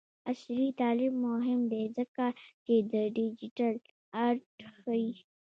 عصري تعلیم مهم دی ځکه چې د ډیجیټل آرټ ښيي.